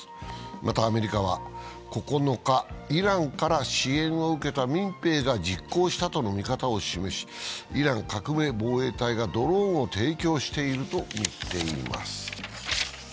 またアメリカは９日、イランから支援を受けた民兵が実行したとの見方を示し、イラン革命防衛隊がドローンを提供しているとみています。